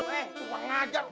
eh coba ngajak